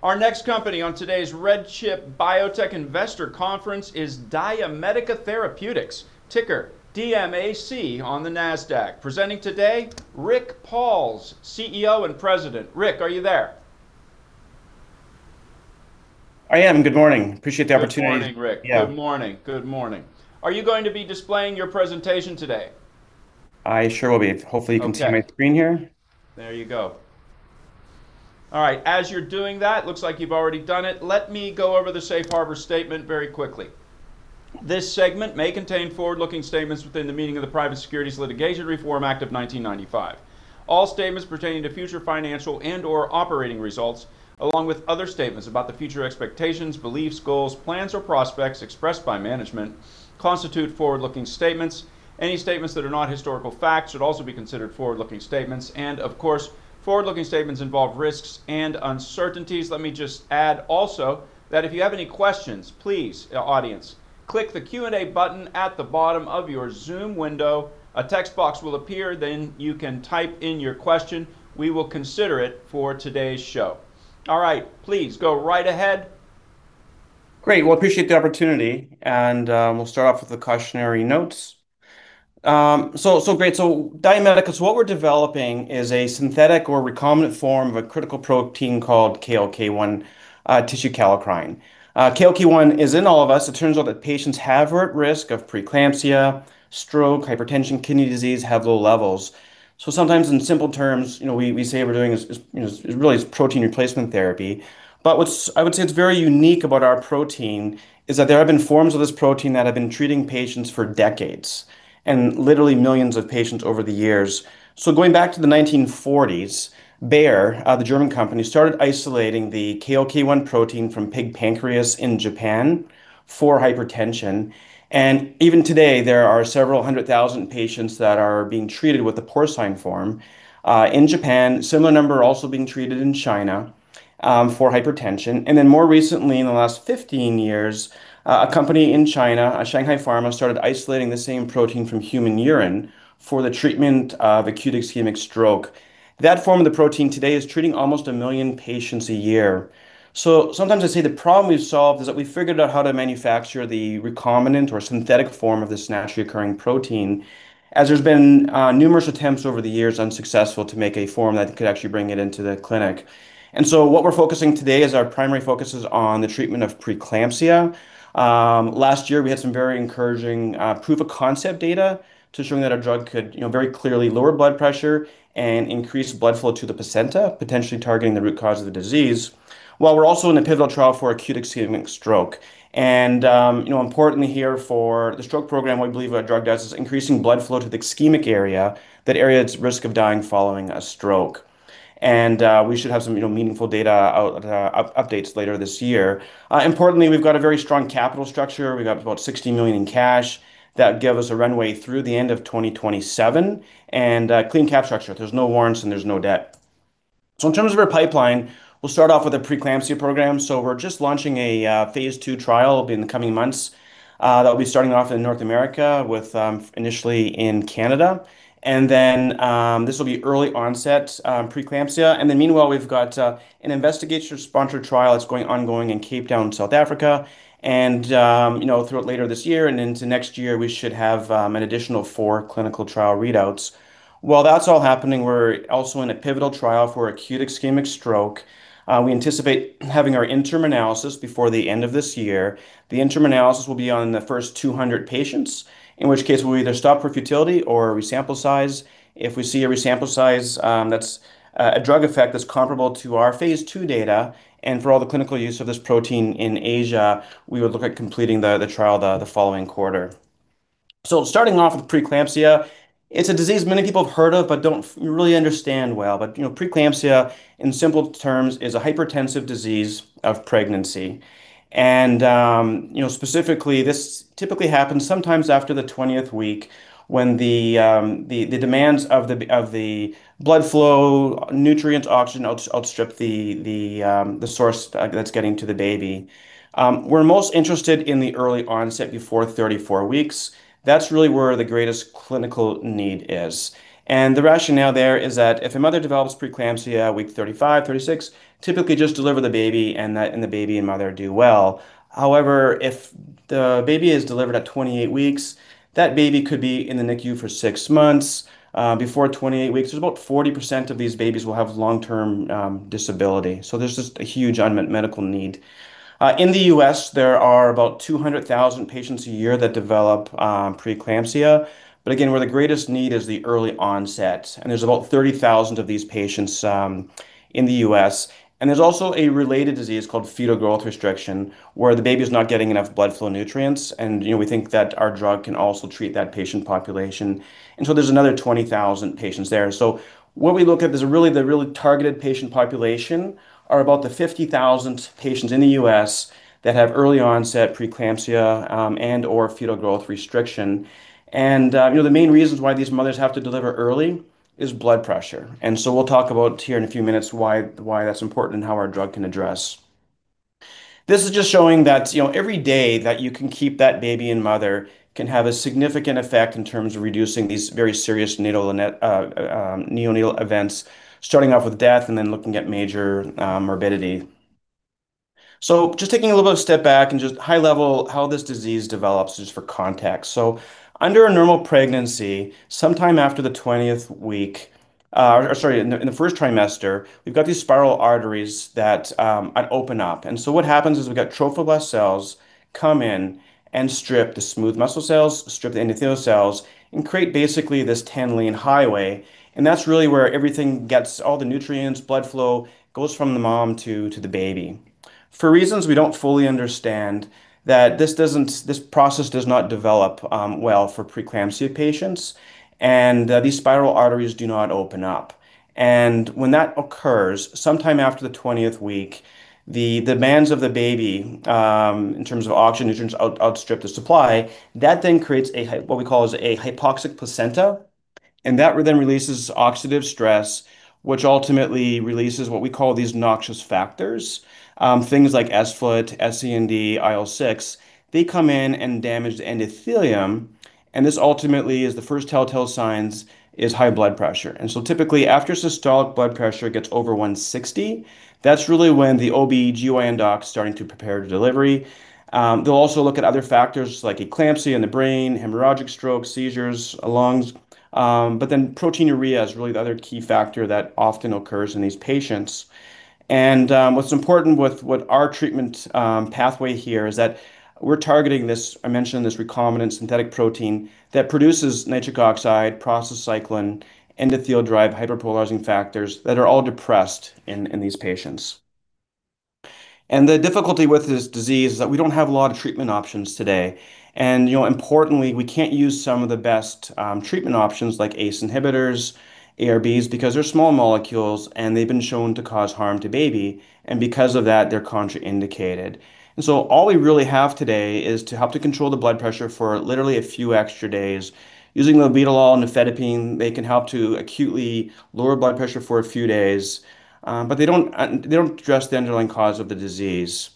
Our next company on today's RedChip Biotech Investor Conference is DiaMedica Therapeutics, ticker DMAC on the Nasdaq. Presenting today, Rick Pauls, CEO and President. Rick, are you there? I am. Good morning. I appreciate the opportunity. Good morning, Rick. Yeah. Good morning. Are you going to be displaying your presentation today? I sure will be. Hopefully, you can see my screen here. There you go. All right. As you're doing that, looks like you've already done it, let me go over the safe harbor statement very quickly. This segment may contain forward-looking statements within the meaning of the Private Securities Litigation Reform Act of 1995. All statements pertaining to future financial and/or operating results, along with other statements about the future expectations, beliefs, goals, plans, or prospects expressed by management, constitute forward-looking statements. Any statements that are not historical facts should also be considered forward-looking statements. Of course, forward-looking statements involve risks and uncertainties. Let me just add also that if you have any questions, please, audience, click the Q&A button at the bottom of your Zoom window. A text box will appear, then you can type in your question. We will consider it for today's show. All right, please go right ahead. Great. Well, I appreciate the opportunity, and we'll start off with the cautionary notes. DiaMedica, what we're developing is a synthetic or recombinant form of a critical protein called KLK1, tissue kallikrein. KLK1 is in all of us. It turns out that patients who have or at risk of preeclampsia, stroke, hypertension, kidney disease, have low levels. Sometimes in simple terms, we say we're doing is really protein replacement therapy. What I would say that's very unique about our protein is that there have been forms of this protein that have been treating patients for decades, and literally millions of patients over the years. Going back to the 1940s, Bayer, the German company, started isolating the KLK1 protein from pig pancreas in Japan for hypertension. Even today, there are several hundred thousand patients that are being treated with the porcine form in Japan. Similar number are also being treated in China for hypertension. More recently, in the last 15 years, a company in China, a Shanghai Pharma, started isolating the same protein from human urine for the treatment of acute ischemic stroke. That form of the protein today is treating almost one million patients a year. Sometimes I say the problem is solved, that we figured out how to manufacture the recombinant or synthetic form of this naturally occurring protein, as there's been numerous attempts over the years unsuccessful to make a form that could actually bring it into the clinic. What we're focusing today is our primary focus is on the treatment of preeclampsia. Last year, we had some very encouraging proof of concept data showing that our drug could very clearly lower blood pressure and increase blood flow to the placenta, potentially targeting the root cause of the disease, while we're also in a pivotal trial for acute ischemic stroke. Importantly here for the stroke program, we believe what our drug does is increasing blood flow to the ischemic area, that area at risk of dying following a stroke. We should have some meaningful data updates later this year. Importantly, we've got a very strong capital structure. We've got about $60 million in cash that give us a runway through the end of 2027, and a clean cap structure. There's no warrants and there's no debt. In terms of our pipeline, we'll start off with a preeclampsia program. We're just launching a phase II trial in the coming months. That'll be starting off in North America, initially in Canada. This will be early onset preeclampsia. Meanwhile, we've got an investigator-sponsored trial that's ongoing in Cape Town, South Africa. Throughout later this year and into next year, we should have an additional four clinical trial readouts. While that's all happening, we're also in a pivotal trial for acute ischemic stroke. We anticipate having our interim analysis before the end of this year. The interim analysis will be on the first 200 patients, in which case we'll either stop for futility or re-estimate sample size. If we see an effect size that's a drug effect that's comparable to our phase II data and for all the clinical use of this protein in Asia, we would look at completing the trial the following quarter. Starting off with preeclampsia, it's a disease many people have heard of but don't really understand well. Preeclampsia, in simple terms, is a hypertensive disease of pregnancy. Specifically, this typically happens sometimes after the 20th week when the demands of the blood flow, nutrients, oxygen outstrip the source that's getting to the baby. We're most interested in the early onset before 34 weeks. That's really where the greatest clinical need is. The rationale there is that if a mother develops preeclampsia at week 35, 36, typically just deliver the baby, and the baby and mother do well. However, if the baby is delivered at 28 weeks, that baby could be in the NICU for six months. Before 28 weeks, there's about 40% of these babies will have long-term disability. There's just a huge unmet medical need. In the U.S., there are about 200,000 patients a year that develop preeclampsia. Again, where the greatest need is the early onset, and there's about 30,000 of these patients in the U.S. There's also a related disease called fetal growth restriction, where the baby's not getting enough blood flow nutrients, and we think that our drug can also treat that patient population. There's another 20,000 patients there. What we look at is really the targeted patient population are about the 50,000 patients in the U.S. that have early onset preeclampsia and/or fetal growth restriction. The main reasons why these mothers have to deliver early is blood pressure. We'll talk about here in a few minutes why that's important and how our drug can address. This is just showing that every day that you can keep that baby and mother can have a significant effect in terms of reducing these very serious neonatal events, starting off with death and then looking at major morbidity. Just taking a little bit of a step back and just high level how this disease develops, just for context. Under a normal pregnancy, sometime after the 20th week, or sorry, in the first trimester, we've got these spiral arteries that open up. What happens is we've got trophoblast cells come in and strip the smooth muscle cells, strip the endothelial cells, and create basically this 10-lane highway. That's really where everything gets all the nutrients, blood flow, goes from the mom to the baby. For reasons we don't fully understand, this process does not develop well for preeclampsia patients and these spiral arteries do not open up. When that occurs, sometime after the 20th week, the demands of the baby, in terms of oxygen outstrip the supply, that then creates what we call a hypoxic placenta, and that then releases oxidative stress, which ultimately releases what we call these noxious factors. Things like sFlt-1, sEng, IL-6, they come in and damage the endothelium, and this ultimately is the first telltale signs is high blood pressure. Typically after systolic blood pressure gets over 160, that's really when the OB-GYN docs starting to prepare the delivery. They'll also look at other factors like eclampsia in the brain, hemorrhagic stroke, seizures, lungs. Proteinuria is really the other key factor that often occurs in these patients. What's important with our treatment pathway here is that we're targeting this, I mentioned this recombinant synthetic protein that produces nitric oxide, prostacyclin, endothelium-derived hyperpolarizing factors that are all depressed in these patients. The difficulty with this disease is that we don't have a lot of treatment options today, and importantly, we can't use some of the best treatment options like ACE inhibitors, ARBs, because they're small molecules and they've been shown to cause harm to baby, and because of that, they're contraindicated. All we really have today is to help to control the blood pressure for literally a few extra days. Using labetalol and nifedipine, they can help to acutely lower blood pressure for a few days, but they don't address the underlying cause of the disease.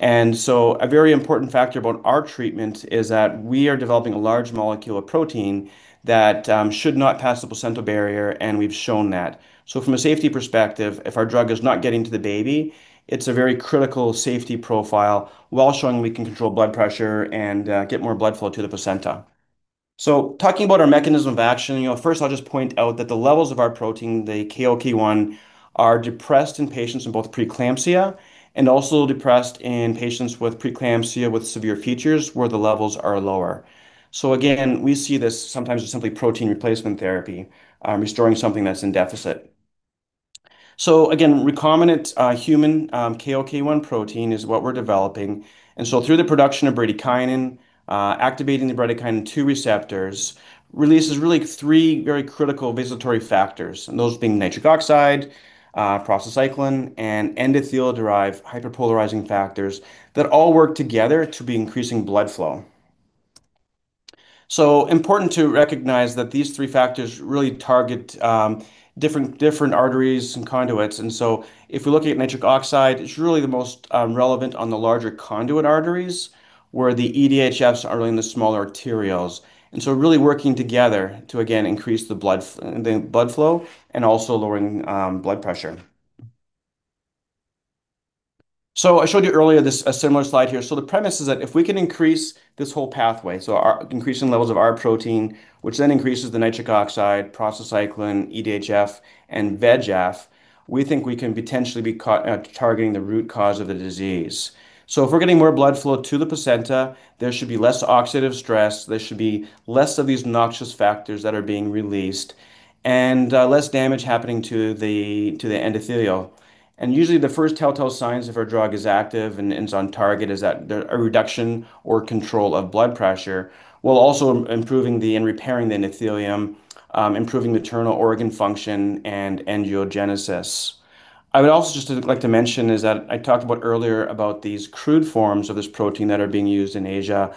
A very important factor about our treatment is that we are developing a large molecule of protein that should not pass the placental barrier, and we've shown that. From a safety perspective, if our drug is not getting to the baby, it's a very critical safety profile while showing we can control blood pressure and get more blood flow to the placenta. Talking about our mechanism of action, first I'll just point out that the levels of our protein, the KLK1, are depressed in patients with both preeclampsia and also depressed in patients with preeclampsia with severe features where the levels are lower. Again, we see this sometimes as simply protein replacement therapy, restoring something that's in deficit. Again, recombinant human KLK1 protein is what we're developing. Through the production of bradykinin, activating the bradykinin two receptors, releases really three very critical vasodilatory factors, and those being nitric oxide, prostacyclin, and endothelium-derived hyperpolarizing factors that all work together to be increasing blood flow. Important to recognize that these three factors really target different arteries and conduits. If we're looking at nitric oxide, it's really the most relevant on the larger conduit arteries, where the EDHFs are really in the small arterioles. Really working together to, again, increase the blood flow and also lowering blood pressure. I showed you earlier a similar slide here. The premise is that if we can increase this whole pathway, so increasing levels of our protein, which then increases the nitric oxide, prostacyclin, EDHF, and VEGF, we think we can potentially be targeting the root cause of the disease. If we're getting more blood flow to the placenta, there should be less oxidative stress, there should be less of these noxious factors that are being released, and less damage happening to the endothelium. Usually the first telltale signs if our drug is active and is on target is that a reduction or control of blood pressure, while also improving and repairing the endothelium, improving maternal organ function and angiogenesis. I would also just like to mention is that I talked about earlier about these crude forms of this protein that are being used in Asia.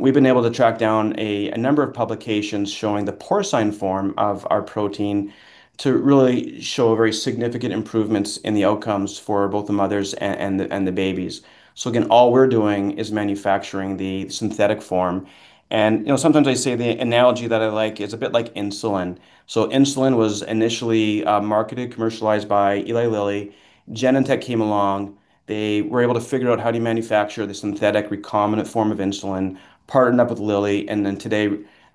We've been able to track down a number of publications showing the porcine form of our protein to really show very significant improvements in the outcomes for both the mothers and the babies. Again, all we're doing is manufacturing the synthetic form. Sometimes I say the analogy that I like is a bit like insulin. Insulin was initially marketed, commercialized by Eli Lilly. Genentech came along. They were able to figure out how do you manufacture the synthetic recombinant form of insulin, partnered up with Lilly, and then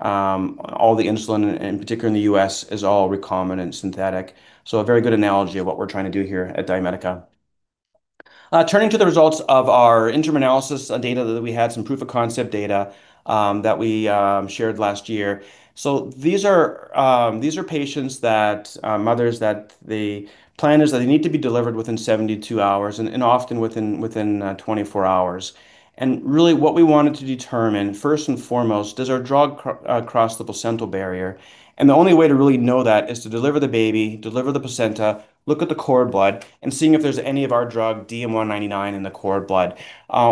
today all the insulin, in particular in the U.S., is all recombinant synthetic. A very good analogy of what we're trying to do here at DiaMedica. Turning to the results of our interim analysis data that we had, some proof of concept data that we shared last year. These are mothers that the plan is that they need to be delivered within 72 hours and often within 24 hours. Really what we wanted to determine, first and foremost, does our drug cross the placental barrier? The only way to really know that is to deliver the baby, deliver the placenta, look at the cord blood, and see if there's any of our drug DM199 in the cord blood.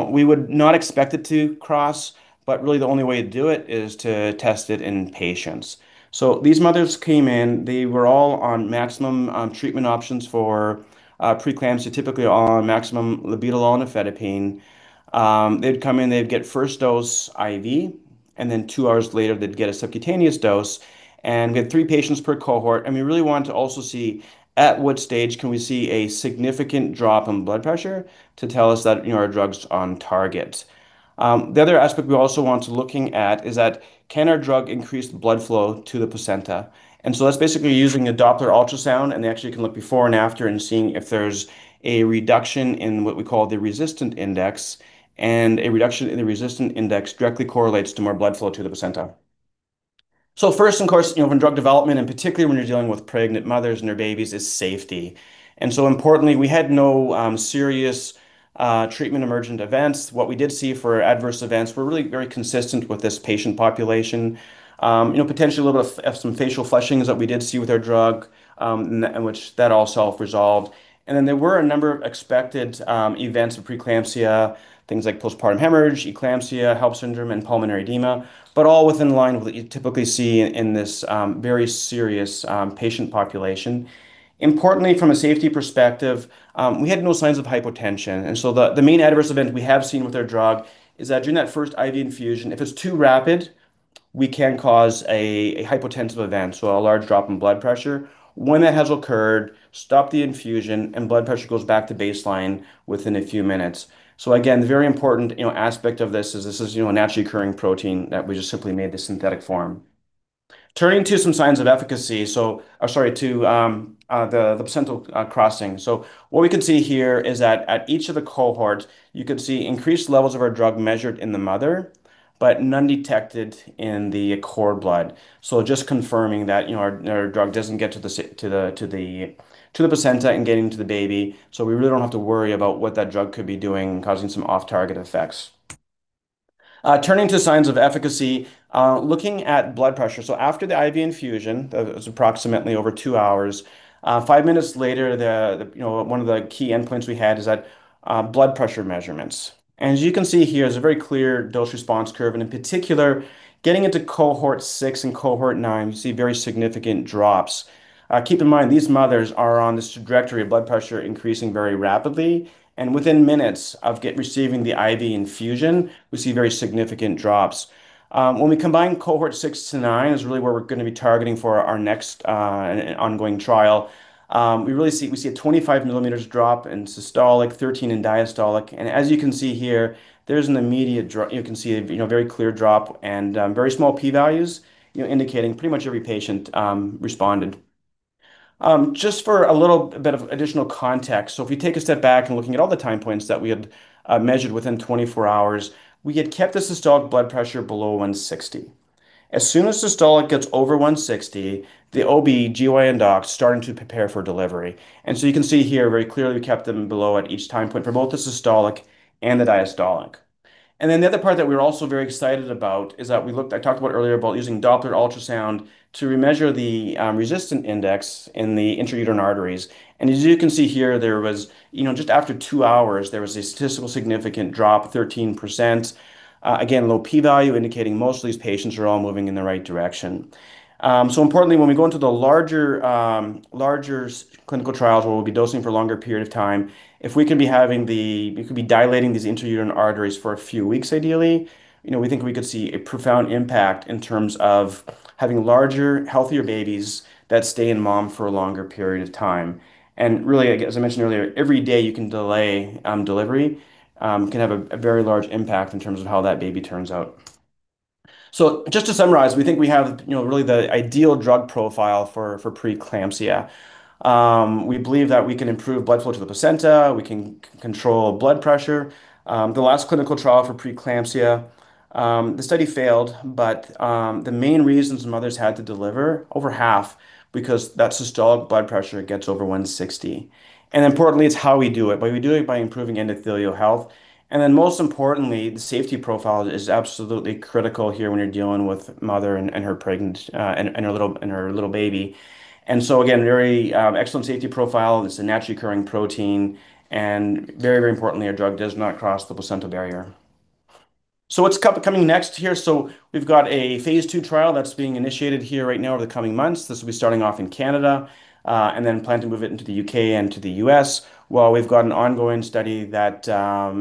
We would not expect it to cross, but really the only way to do it is to test it in patients. These mothers came in. They were all on maximum treatment options for preeclampsia, typically all on maximum labetalol and nifedipine. They'd come in, they'd get first dose IV. Then two hours later, they'd get a subcutaneous dose. We had three patients per cohort, and we really wanted to also see at what stage can we see a significant drop in blood pressure to tell us that our drug's on target. The other aspect we also wanted to look at is that can our drug increase the blood flow to the placenta? That's basically using a Doppler ultrasound, and they actually can look before and after and seeing if there's a reduction in what we call the resistance index, and a reduction in the resistance index directly correlates to more blood flow to the placenta. First, of course, in drug development, and particularly when you're dealing with pregnant mothers and their babies, is safety. Importantly, we had no serious treatment emergent events. What we did see for adverse events were really very consistent with this patient population. Potentially, a little bit of some facial flushing is what we did see with our drug, and which that all self-resolved. Then there were a number of expected events of preeclampsia, things like postpartum hemorrhage, eclampsia, HELLP syndrome, and pulmonary edema, but all in line with what you typically see in this very serious patient population. Importantly, from a safety perspective, we had no signs of hypotension, and so the main adverse event we have seen with our drug is that during that first IV infusion, if it's too rapid, we can cause a hypotensive event, so a large drop in blood pressure. When that has occurred, stop the infusion, and blood pressure goes back to baseline within a few minutes. The very important aspect of this is this is a naturally occurring protein that we just simply made the synthetic form. Turning to the placental crossing. What we can see here is that at each of the cohorts, you can see increased levels of our drug measured in the mother, but none detected in the cord blood. Just confirming that our drug doesn't get to the placenta and getting to the baby. We really don't have to worry about what that drug could be doing, causing some off-target effects. Turning to signs of efficacy, looking at blood pressure, so after the IV infusion, that was approximately over two hours, five minutes later, one of the key endpoints we had is that blood pressure measurements. As you can see here, there's a very clear dose response curve, and in particular, getting into cohort six and cohort nine, we see very significant drops. Keep in mind, these mothers are on this trajectory of blood pressure increasing very rapidly, and within minutes of receiving the IV infusion, we see very significant drops. When we combine cohort six to nine is really where we're going to be targeting for our next ongoing trial. We see a 25 millimeters drop in systolic, 13 in diastolic, and as you can see here, you can see a very clear drop and very small P values, indicating pretty much every patient responded. Just for a little bit of additional context, so if you take a step back and looking at all the time points that we had measured within 24 hours, we had kept the systolic blood pressure below 160. As soon as systolic gets over 160, the OB-GYN docs starting to prepare for delivery. You can see here very clearly we kept them below at each time point for both the systolic and the diastolic. Then the other part that we're also very excited about is that I talked about earlier about using Doppler ultrasound to remeasure the resistance index in the intrauterine arteries. As you can see here, just after two hours, there was a statistical significant drop of 13%. Again, low P value indicating most of these patients are all moving in the right direction. Importantly, when we go into the larger clinical trials where we'll be dosing for a longer period of time, if we could be dilating these intrauterine arteries for a few weeks ideally, we think we could see a profound impact in terms of having larger, healthier babies that stay in mom for a longer period of time. Really, as I mentioned earlier, every day you can delay delivery can have a very large impact in terms of how that baby turns out. Just to summarize, we think we have really the ideal drug profile for preeclampsia. We believe that we can improve blood flow to the placenta. We can control blood pressure. The last clinical trial for preeclampsia, the study failed, but the main reason some mothers had to deliver, over half, because that systolic blood pressure gets over 160. Importantly, it's how we do it. We do it by improving endothelial health. Most importantly, the safety profile is absolutely critical here when you're dealing with mother and her little baby. Again, very excellent safety profile. This is a naturally occurring protein, and very importantly, our drug does not cross the placental barrier. What's coming next here? We've got a phase II trial that's being initiated here right now over the coming months. This will be starting off in Canada, and then plan to move it into the U.K. and to the U.S., while we've got an ongoing study that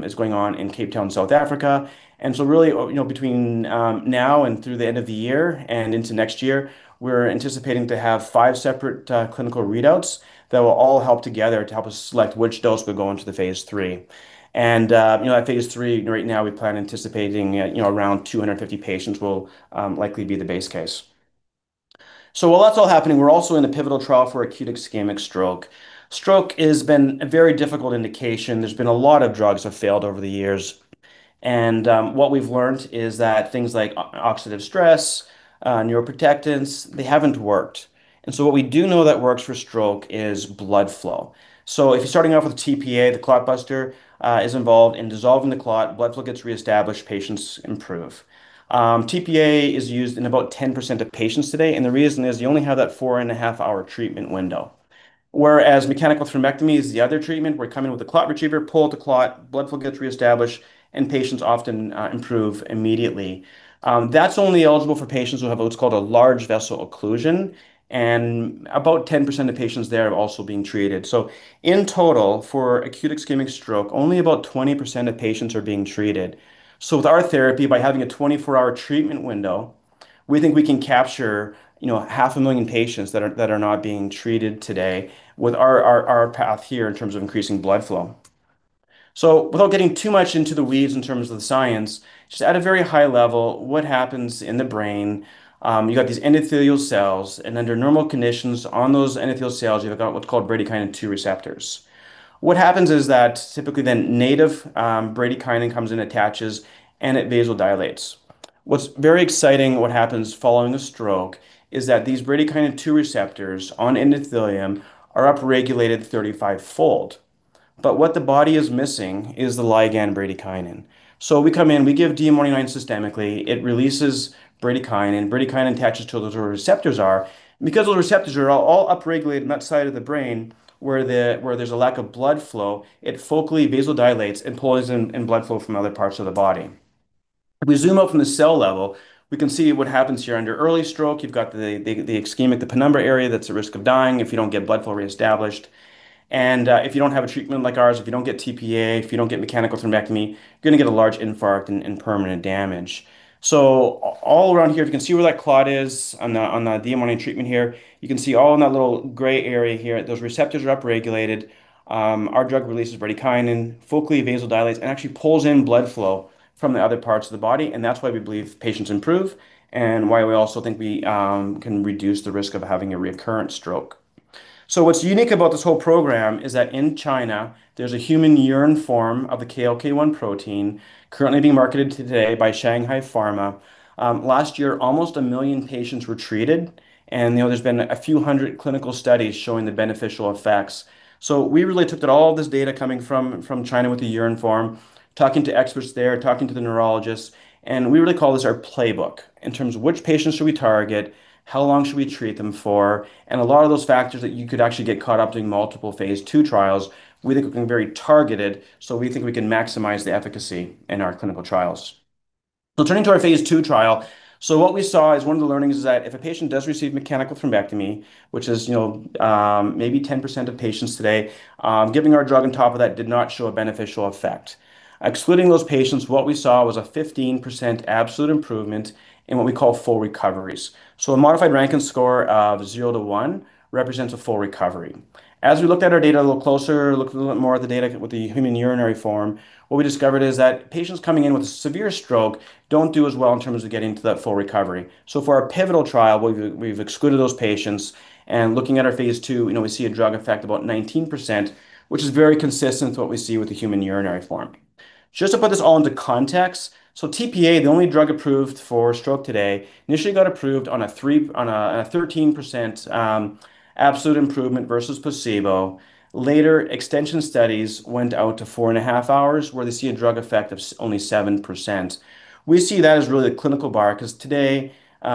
is going on in Cape Town, South Africa. Really, between now and through the end of the year and into next year, we're anticipating to have five separate clinical readouts that will all help together to help us select which dose would go into the phase III. At phase III, right now we plan anticipating around 250 patients will likely be the base case. While that's all happening, we're also in a pivotal trial for acute ischemic stroke. Stroke has been a very difficult indication. There's been a lot of drugs have failed over the years. What we've learned is that things like oxidative stress, neuroprotectants, they haven't worked. What we do know that works for stroke is blood flow. If you're starting off with tPA, the clot buster is involved in dissolving the clot, blood flow gets reestablished, patients improve. tPA is used in about 10% of patients today, and the reason is you only have that 4.5-hour treatment window. Whereas mechanical thrombectomy is the other treatment. We come in with a clot retriever, pull out the clot, blood flow gets reestablished, and patients often improve immediately. That's only eligible for patients who have what's called a large vessel occlusion, and about 10% of patients there have also been treated. In total, for acute ischemic stroke, only about 20% of patients are being treated. With our therapy, by having a 24-hour treatment window. We think we can capture 500,000 patients that are not being treated today with our path here in terms of increasing blood flow. Without getting too much into the weeds in terms of the science, just at a very high level, what happens in the brain, you got these endothelial cells, and under normal conditions on those endothelial cells, you've got what's called bradykinin B2 receptors. What happens is that typically then native bradykinin comes and attaches and it vasodilates. What's very exciting, what happens following a stroke is that these bradykinin B2 receptors on endothelium are upregulated 35-fold. But what the body is missing is the ligand bradykinin. We come in, we give DM199 systemically, it releases bradykinin. Bradykinin attaches to those B2 receptors. Because those receptors are all upregulated on that side of the brain where there's a lack of blood flow, it focally vasodilates and pulls in blood flow from other parts of the body. If we zoom out from the cell level, we can see what happens here under early stroke. You've got the ischemia, the penumbra area, that's a risk of dying if you don't get blood flow reestablished. If you don't have a treatment like ours, if you don't get tPA, if you don't get mechanical thrombectomy, you're going to get a large infarct and permanent damage. All around here, if you can see where that clot is on the DM199 treatment here, you can see all in that little gray area here, those receptors are upregulated. Our drug releases bradykinin, focally vasodilates and actually pulls in blood flow from the other parts of the body, and that's why we believe patients improve and why we also think we can reduce the risk of having a recurrent stroke. What's unique about this whole program is that in China, there's a human urine form of the KLK1 protein currently being marketed today by Shanghai Pharma. Last year, almost 1 million patients were treated, and there's been a few hundred clinical studies showing the beneficial effects. We really looked at all of this data coming from China with the urine form, talking to experts there, talking to the neurologists, and we really call this our playbook in terms of which patients should we target, how long should we treat them for, and a lot of those factors that you could actually get caught up doing multiple phase II trials, we think we can be very targeted, so we think we can maximize the efficacy in our clinical trials. Turning to our phase II trial, what we saw is one of the learnings is that if a patient does receive mechanical thrombectomy, which is maybe 10% of patients today, giving our drug on top of that did not show a beneficial effect. Excluding those patients, what we saw was a 15% absolute improvement in what we call full recoveries. A modified Rankin score of 0 to 1 represents a full recovery. As we looked at our data a little closer, looked a little bit more at the data with the human urinary form, what we discovered is that patients coming in with severe stroke don't do as well in terms of getting to that full recovery. For our pivotal trial, we've excluded those patients, and looking at our phase II, we see a drug effect about 19%, which is very consistent to what we see with the human urinary form. Just to put this all into context, so tPA, the only drug approved for stroke today, initially got approved on a 13% absolute improvement versus placebo. Later, extension studies went out to four and a half hours where they see a drug effect of only 7%. We see that as really the clinical bar, because today,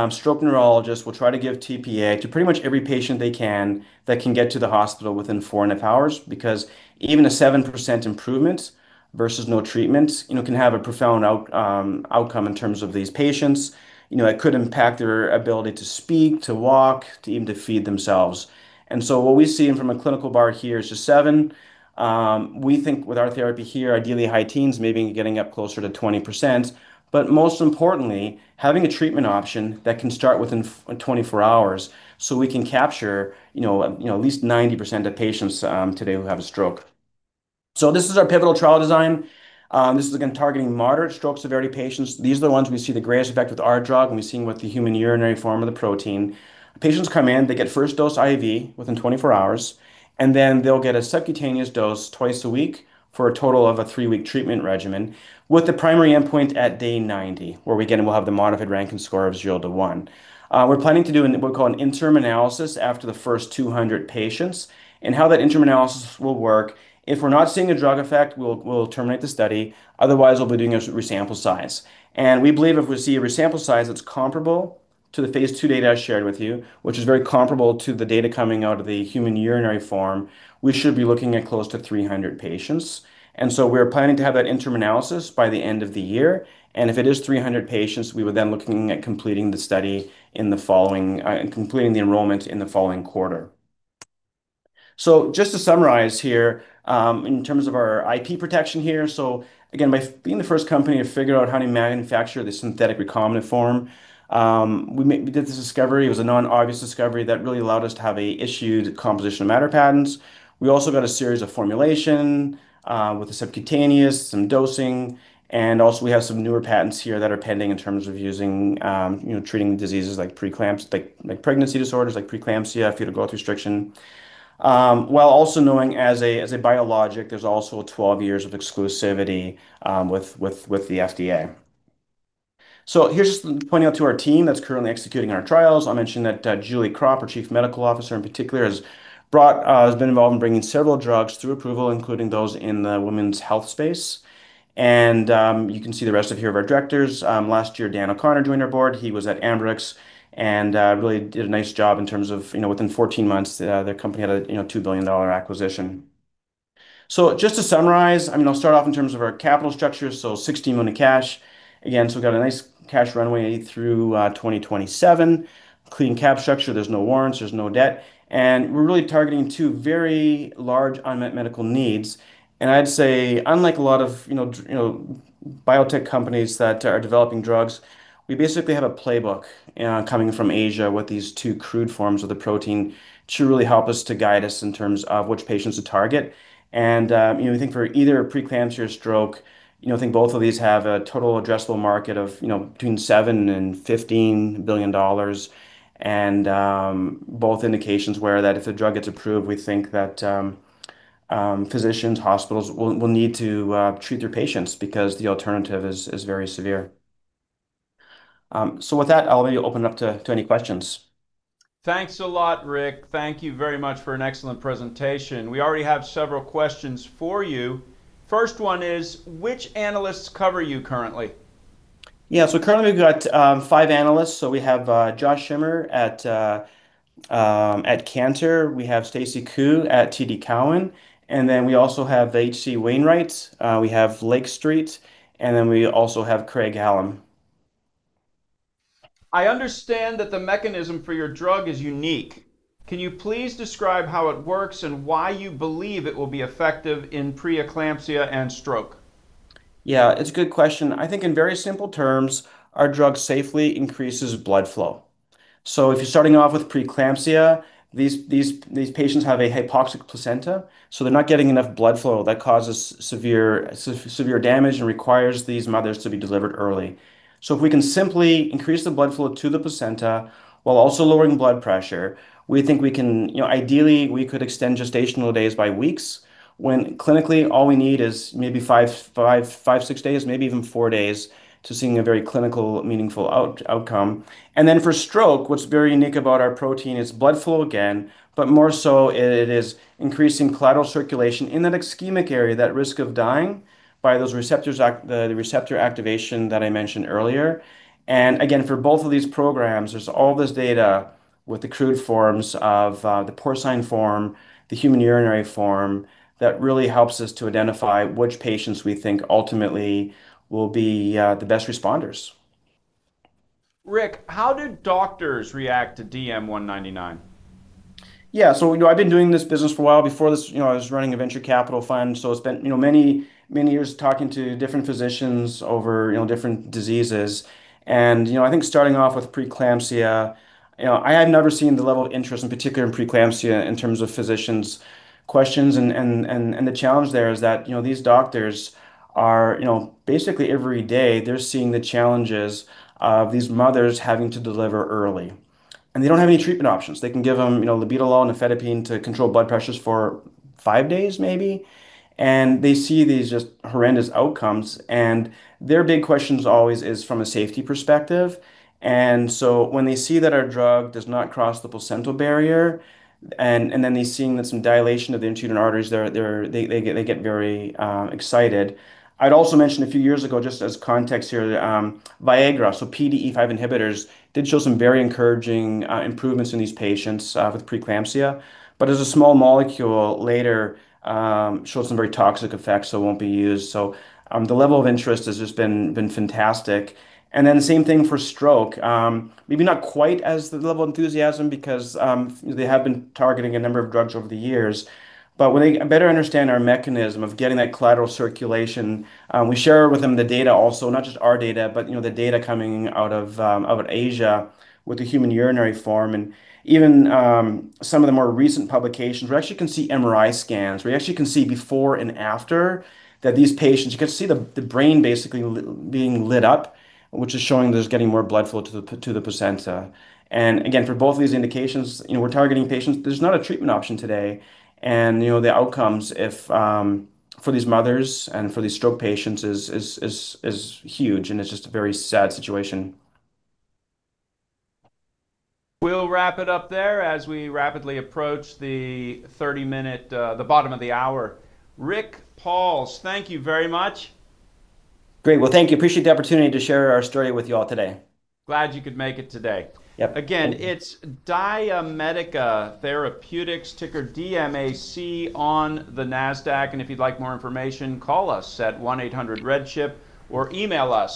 stroke neurologists will try to give tPA to pretty much every patient they can that can get to the hospital within four and a half hours, because even a 7% improvement versus no treatment can have a profound outcome in terms of these patients. It could impact their ability to speak, to walk, to even feed themselves. What we see from a clinical bar here is just 7%. We think with our therapy here, ideally high teens, maybe getting up closer to 20%, but most importantly, having a treatment option that can start within 24 hours so we can capture at least 90% of patients today who have a stroke. This is our pivotal trial design. This is again targeting moderate stroke severity patients. These are the ones we see the greatest effect with our drug, and we've seen with the human urinary form of the protein. Patients come in, they get first dose IV within 24 hours, and then they'll get a subcutaneous dose twice a week for a total of a 3-week treatment regimen with the primary endpoint at day 90, where again, we'll have the Modified Rankin score of 0-1. We're planning to do what we call an interim analysis after the first 200 patients. How that interim analysis will work, if we're not seeing a drug effect, we'll terminate the study, otherwise, we'll be doing a sample size re-estimation. We believe if we see a re-estimated sample size that's comparable to the phase II data I shared with you, which is very comparable to the data coming out of the human urinary form, we should be looking at close to 300 patients. We're planning to have that interim analysis by the end of the year. If it is 300 patients, we would then be looking at completing the enrollment in the following quarter. Just to summarize here, in terms of our IP protection here, so again, by being the first company to figure out how to manufacture this synthetic recombinant form, we did this discovery. It was a non-obvious discovery that really allowed us to have an issued composition of matter patents. We also got a series of formulation, with the subcutaneous, some dosing, and also we have some newer patents here that are pending in terms of treating diseases like pregnancy disorders, like preeclampsia, fetal growth restriction, while also knowing as a biologic, there's also 12 years of exclusivity with the FDA. Here's just pointing out to our team that's currently executing our trials. I'll mention that Julie Krop, our Chief Medical Officer in particular, has been involved in bringing several drugs through approval, including those in the women's health space. You can see the rest here of our directors. Last year, Dan O'Connor joined our board. He was at Ambrx and really did a nice job in terms of within 14 months, their company had a $2 billion acquisition. Just to summarize, I'll start off in terms of our capital structure, so $16 million in cash. Again, we've got a nice cash runway through 2027. Clean cap structure. There's no warrants, there's no debt, and we're really targeting two very large unmet medical needs. I'd say, unlike a lot of biotech companies that are developing drugs, we basically have a playbook coming from Asia with these two crude forms of the protein to really help us to guide us in terms of which patients to target. We think for either preeclampsia or stroke, I think both of these have a total addressable market of between $7 billion-$15 billion. Both indications where that if the drug gets approved, we think that physicians, hospitals will need to treat their patients because the alternative is very severe. With that, I'll open up to any questions. Thanks a lot, Rick. Thank you very much for an excellent presentation. We already have several questions for you. First one is, which analysts cover you currently? Yeah. Currently we've got five analysts. We have Josh Schimmer at Cantor. We have Stacy Ku at TD Cowen, and then we also have H.C. Wainwright. We have Lake Street, and then we also have Craig-Hallum. I understand that the mechanism for your drug is unique. Can you please describe how it works and why you believe it will be effective in preeclampsia and stroke? Yeah, it's a good question. I think in very simple terms, our drug safely increases blood flow. If you're starting off with preeclampsia, these patients have a hypoxic placenta, so they're not getting enough blood flow. That causes severe damage and requires these mothers to be delivered early. If we can simply increase the blood flow to the placenta while also lowering blood pressure, we think ideally, we could extend gestational days by weeks, when clinically, all we need is maybe five, six days, maybe even four days, to seeing a very clinically meaningful outcome. Then for stroke, what's very unique about our protein is blood flow again, but more so it is increasing collateral circulation in that ischemic area, that risk of dying, by the receptor activation that I mentioned earlier. Again, for both of these programs, there's all this data with the crude forms of the porcine form, the human urinary form, that really helps us to identify which patients we think ultimately will be the best responders. Rick, how do doctors react to DM199? Yeah. I've been doing this business for a while. Before this, I was running a venture capital fund, so I spent many years talking to different physicians over different diseases. I think starting off with preeclampsia, I had never seen the level of interest, in particular in preeclampsia, in terms of physicians' questions. The challenge there is that, these doctors are, basically every day, they're seeing the challenges of these mothers having to deliver early. They don't have any treatment options. They can give them labetalol, nifedipine to control blood pressures for five days maybe. They see these just horrendous outcomes. Their big question always is from a safety perspective. When they see that our drug does not cross the placental barrier, and then they're seeing that some dilation of the uterine arteries, they get very excited. I'd also mention a few years ago, just as context here, Viagra, so PDE5 inhibitors, did show some very encouraging improvements in these patients with preeclampsia. As a small molecule, later showed some very toxic effects, so it won't be used. The level of interest has just been fantastic. The same thing for stroke. Maybe not quite as the level of enthusiasm because they have been targeting a number of drugs over the years. When they better understand our mechanism of getting that collateral circulation, we share with them the data also, not just our data, but the data coming out of Asia with the human urinary form and even some of the more recent publications where you actually can see MRI scans. Where you actually can see before and after, that these patients, you can see the brain basically being lit up, which is showing there's getting more blood flow to the placenta. Again, for both of these indications, we're targeting patients. There's not a treatment option today, and the outcomes for these mothers and for these stroke patients is huge, and it's just a very sad situation. We'll wrap it up there as we rapidly approach the 30-minute, the bottom of the hour. Rick Pauls, thank you very much. Great. Well, thank you. Appreciate the opportunity to share our story with you all today. Glad you could make it today. Yep. Again, it's DiaMedica Therapeutics, ticker DMAC on the Nasdaq. If you'd like more information, call us at 1-800-RED-CHIP or email us.